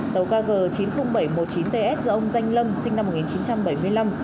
tàu kg chín mươi nghìn bảy trăm một mươi chín ts do ông danh lâm sinh năm một nghìn chín trăm bảy mươi năm